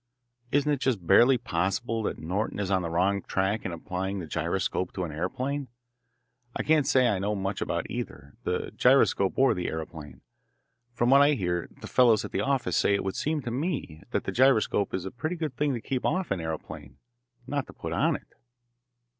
"Isn't it just barely possible that Norton is on the wrong track in applying the gyroscope to an aeroplane? I can't say I know much about either the gyroscope or the aeroplane, but from what I hear the fellows at the office say it would seem to me that the gyroscope is a pretty good thing to keep off an aeroplane, not to put on it."